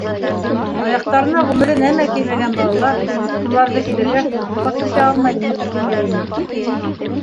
Аяҡтарына ғүмере нәмә кеймәгән балалар, шуларҙы кейҙергәс, атлап китә алмай интеккәйне...